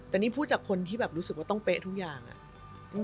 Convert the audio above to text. แต่นี่พูดจากคนที่แบบรู้สึกว่าต้องเป๊ะทุกอย่างอะ